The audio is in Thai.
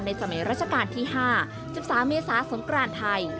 ในสมัยราชการที่๕จับสามเมษาสงครานไทย